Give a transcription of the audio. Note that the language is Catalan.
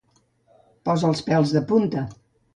Posa els pèls de punta.